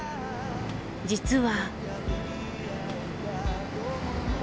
実は。